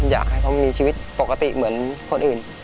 อยากให้เขามีชีวิตปกติเหมือนคนอื่น